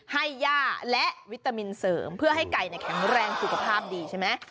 ให้ย่าและวิตามินเสริมเพื่อให้ไก่แข็งแรงสุขภาพดีใช่ไหม